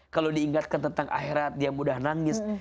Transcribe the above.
kalau diingatkan tentang akhirat dia mudah nangis